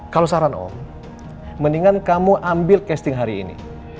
kalau saran om mendingan kamu ambil casting hari ini